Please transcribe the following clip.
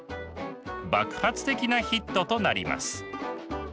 爆発的なヒットとなります。